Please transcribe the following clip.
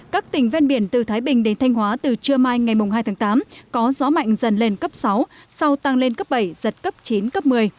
các tỉnh ven biển từ thái bình đến thanh hóa từ trưa mai ngày hai tháng tám có gió mạnh dần lên cấp sáu sau tăng lên cấp bảy giật cấp chín cấp một mươi